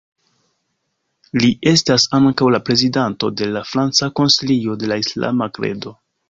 Li estas ankaŭ la prezidanto de la Franca Konsilio de la Islama Kredo.